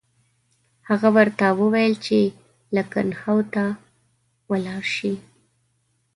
هغه ورته وویل چې لکنهو ته ولاړ شي.